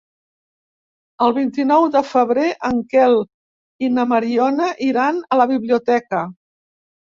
El vint-i-nou de febrer en Quel i na Mariona iran a la biblioteca.